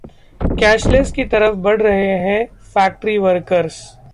cashless की तरफ बढ़ रहे हैं फैक्ट्री वर्कर्स